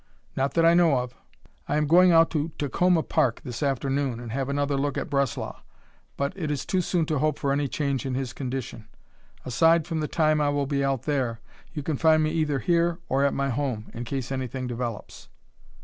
"Not that I know of. I am going out to Takoma Park this afternoon and have another look at Breslau, but it is too soon to hope for any change in his condition. Aside from the time I will be out there, you can find me either here or at my home, in case anything develops."